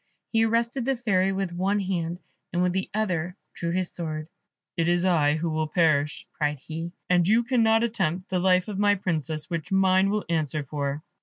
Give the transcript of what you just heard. He arrested the Fairy with one hand, and with the other drew his sword. "It is I who will perish," cried he, "and you cannot attempt the life of my Princess, which mine will answer for."